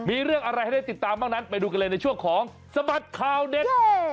มีเรื่องอะไรให้ได้ติดตามบ้างนั้นไปดูกันเลยในช่วงของสบัดข่าวเด็ด